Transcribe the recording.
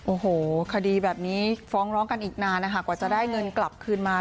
โอ้โหคดีแบบนี้ฟ้องร้องกันอีกนานนะคะกว่าจะได้เงินกลับคืนมา